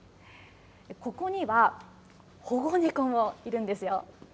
ここには、保護猫もいるんですよ。